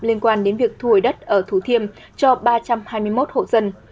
liên quan đến việc thu hồi đất ở thủ thiêm cho ba trăm hai mươi một hộ dân